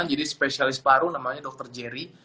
spesialis paru namanya dr jerry